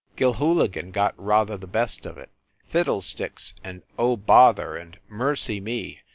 Gilhooligan got rather the best of it "Fiddlesticks!" and "Oh, bother" and "Mercy me!"